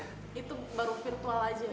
itu baru virtual aja